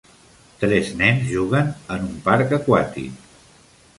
Tres nens juguen a un parc aquàtic